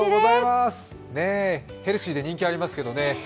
ヘルシーで人気ありますけどね。